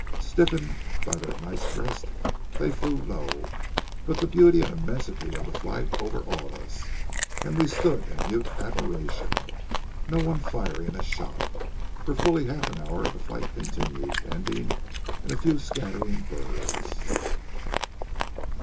Stiffened by their night's rest, they flew low; but the beauty and immensity of the flight overawed us, and we stood in mute admiration, no one firing a shot. For fully a half hour the flight continued, ending in a few scattering birds.